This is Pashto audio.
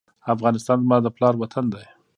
افغانستان زما د پلار وطن دی